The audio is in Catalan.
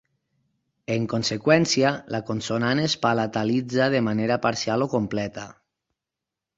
En conseqüència, la consonant es palatalitza de manera parcial o completa.